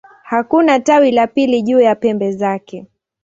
Hakuna tawi la pili juu ya pembe zake.